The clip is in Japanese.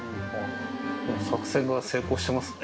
作戦が成功してますね。